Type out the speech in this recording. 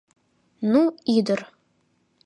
«Ну ӱдыр!